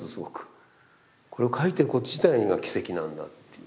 これを描いてること自体が奇跡なんだっていう。